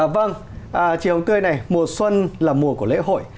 vâng chị hồng tươi này mùa xuân là mùa của lễ hội